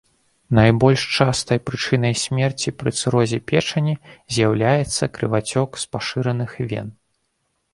Найбольш частай прычынай смерці пры цырозе печані з'яўляецца крывацёк з пашыраных вен.